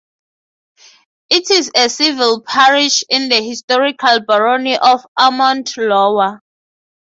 It is a civil parish in the historical barony of Ormond Lower.